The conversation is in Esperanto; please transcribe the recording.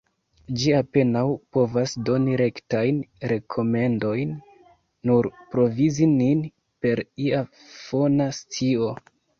Ĝi apenaŭ povas doni rektajn rekomendojn; nur provizi nin per ia fona scio.